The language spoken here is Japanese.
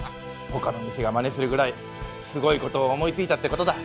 他の店がまねするぐらいすごいことを思いついたってことだ。